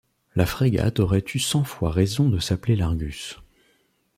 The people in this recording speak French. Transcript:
La frégate aurait eu cent fois raison de s’appeler l’Argus.